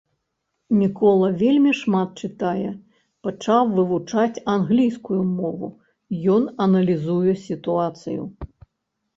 Мікола вельмі шмат чытае, пачаў вывучаць англійскую мову, ён аналізуе сітуацыю.